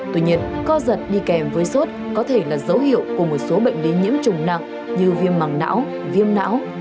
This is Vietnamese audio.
tuy nhiên co giật đi kèm với sốt có thể là dấu hiệu của một số bệnh lý nhiễm trùng nặng như viêm mảng não viêm não